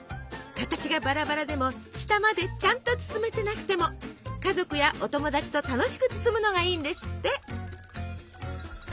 形がバラバラでも下までちゃんと包めてなくても家族やお友達と楽しく包むのがいいんですって。